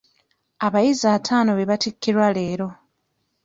Abayizi ataano be battikirwa leero.